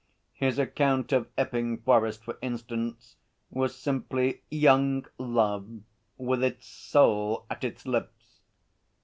His account of Epping Forest, for instance, was simply young love with its soul at its lips.